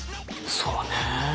そうね。